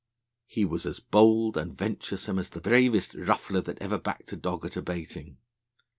He was as bold and venturesome as the bravest ruffler that ever backed a dog at a baiting.